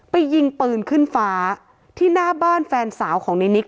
ยิงปืนขึ้นฟ้าที่หน้าบ้านแฟนสาวของในนิก